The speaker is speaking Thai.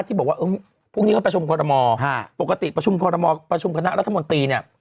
ที่บอกว่าพรุ่งนี้เขาประชุมคอรมอปกติประชุมคอรมอประชุมคณะรัฐมนตรีเนี่ย